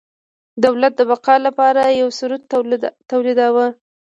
د دولت د بقا لپاره یې ثروت تولیداوه.